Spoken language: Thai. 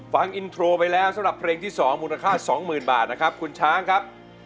ฟังอินโทรไปแล้วสำหรับเพลงที่๒มูลค่า๒๐๐๐บาทนะครับคุณช้างครับ